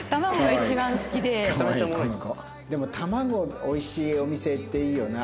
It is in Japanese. でも玉子おいしいお店っていいよな。